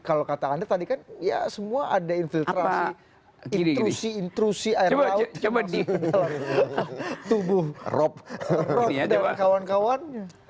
kalau kata anda tadi kan ya semua ada infiltrasi intrusi intrusi air laut